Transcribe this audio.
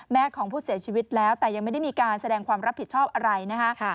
ของผู้เสียชีวิตแล้วแต่ยังไม่ได้มีการแสดงความรับผิดชอบอะไรนะคะ